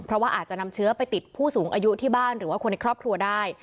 เพราะว่าอาจจะนำเชื้อไปติดผู้สูงอายุที่บ้านหรือว่าคนในครอบครัวได้